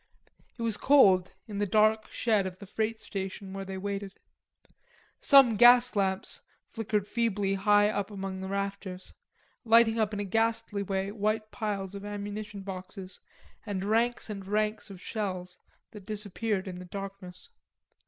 It was cold in the dark shed of the freight station where they waited. Some gas lamps flickered feebly high up among the rafters, lighting up in a ghastly way white piles of ammunition boxes and ranks and ranks of shells that disappeared in the darkness.